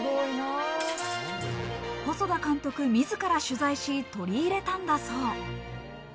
細田監督自ら取材し、取り入れたんだそう。